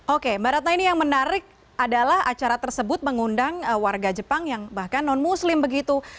oke mbak ratna ini yang menarik adalah acara tersebut mengundang warga jepang yang bahkan non muslim begitu